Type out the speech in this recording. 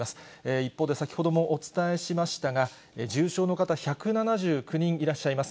一方で、先ほどもお伝えしましたが、重症の方、１７９人いらっしゃいます。